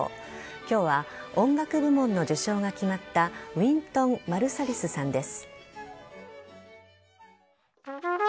今日は音楽部門の受賞が決まったウィントン・マルサリスさんです。